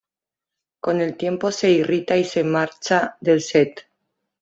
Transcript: Con el tiempo se irrita y se marcha del set.